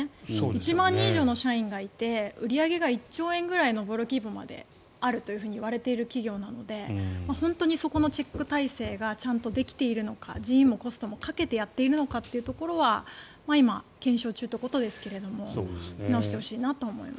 １万人以上の写真がいて売り上げが１兆円上るくらいあるといわれている企業なので本当にそこのチェック体制がちゃんとできているのか人員もコストもかけてやっているのかというところは検証中ということですが見直してほしいなと思います。